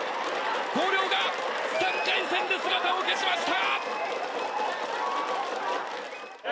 広陵が３回戦で姿を消しました。